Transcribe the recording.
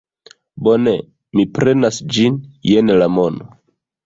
Bone, mi prenas ĝin; jen la mono.